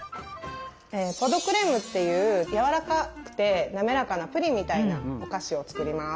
「ポ・ド・クレーム」っていうやわらかくて滑らかなプリンみたいなお菓子を作ります。